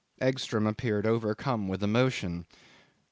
'Egstrom appeared overcome with emotion.